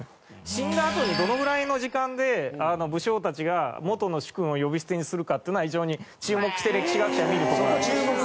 死んだあとにどのぐらいの時間で武将たちが元の主君を呼び捨てにするかっていうのは非常に注目して歴史学者は見るとこなんです。